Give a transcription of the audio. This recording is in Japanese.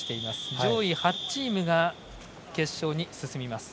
上位８チームが進みます。